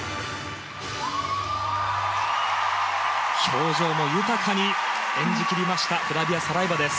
表情も豊かに演じ切りましたフラビア・サライバです。